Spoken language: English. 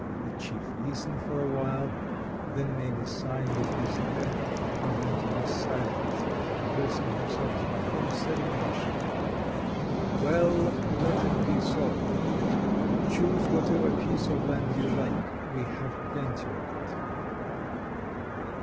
The Chief listened for a while, then made a sign with his head for them to be silent, and addressing himself to Pahom, said in Russian: "Well, let it be so. Choose whatever piece of land you like; we have plenty of it."